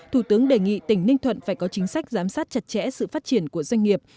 thủ tướng đề nghị tỉnh ninh thuận phải có chính sách giám sát chặt chẽ sự phát triển của doanh nghiệp